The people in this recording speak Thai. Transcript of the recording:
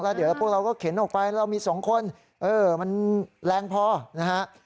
แล้วเดี๋ยวพวกเราก็เข็นออกไปแล้วมี๒คนมันแรงพอนะฮะ